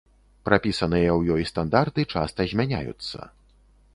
Прапісаныя ў ёй стандарты часта змяняюцца.